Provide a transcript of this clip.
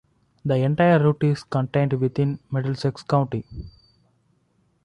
The entire route is contained within Middlesex County.